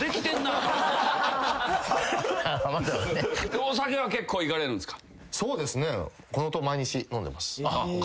お酒は結構いかれるんすか？